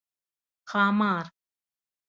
🐉ښامار